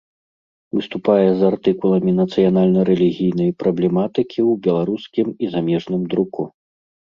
Выступае з артыкуламі нацыянальна-рэлігійнай праблематыкі ў беларускім і замежным друку.